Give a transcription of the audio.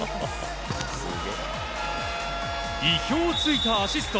意表を突いたアシスト。